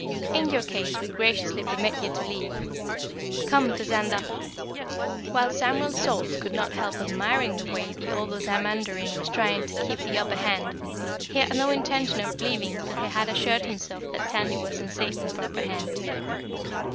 In your case we graciously permit you to leave. Come, Tazander!" While Samuel Salt could not help admiring the way the old Ozamandarin was trying to keep the upper hand, he had no intention of leaving till he had assured himself that Tandy was in safe and proper hands.